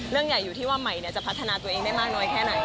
เรื่องใหญ่อยู่ที่ว่าใหม่จะพัฒนาตัวเองได้มากน้อยแค่ไหน